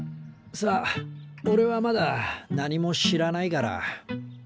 さあオレはまだ何も知らないから。